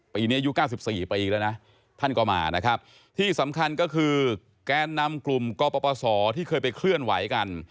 ปีนี้อายุ๙๔ปีแล้วนะท่านก็มานะครับที่สำคัญก็คือแกนนำกลุ่มกปศที่เคยไปเคลื่อนไหวกัน